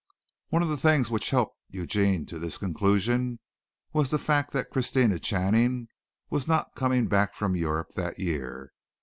One of the things which helped Eugene to this conclusion was the fact that Christina Channing was not coming back from Europe that year.